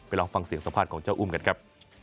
ลองฟังเสียงสัมภาษณ์ของเจ้าอุ้มกันครับ